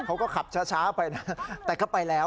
เขาก็ขับช้าไปนะแต่ก็ไปแล้ว